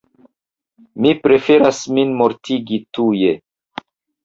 Mi preferas min mortigi tuje.